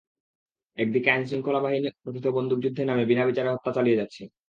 একদিকে আইনশৃঙ্খলা বাহিনী কথিত বন্দুকযুদ্ধের নামে বিনা বিচারে হত্যা চালিয়ে যাচ্ছে।